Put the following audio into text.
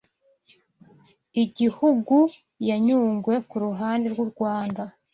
Igihugu ya Nyungwe ku ruhande rw’u Rwanda